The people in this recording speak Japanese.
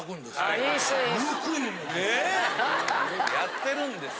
やってるんです。